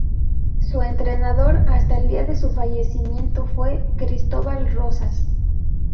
Su entrenador hasta el día de su fallecimiento fue Cristóbal Rosas.